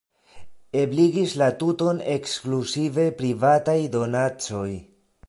Ebligis la tuton ekskluzive privataj donacoj.